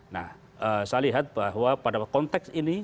nah saya lihat bahwa pada konteks ini